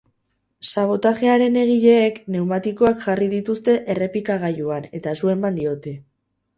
Sabotajearen egileek pneumatikoak jarri dituzte errepikagailuan eta su eman diote.